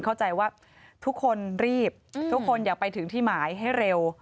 เข้าใจว่าทุกคนรีบทุกคนอยากไปถึงที่หมายให้เร็ว